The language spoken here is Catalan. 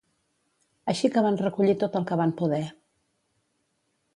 Així que van recollir tot el que van poder.